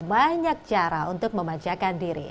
banyak cara untuk memanjakan diri